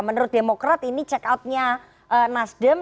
menurut demokrat ini check out nya nasdem